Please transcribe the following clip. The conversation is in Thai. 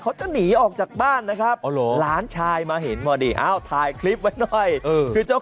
เขาจะหนีออกจากบ้านนะครับหลานชายมาเห็นพอดีอ้าวถ่ายคลิปไว้หน่อยคือเจ้า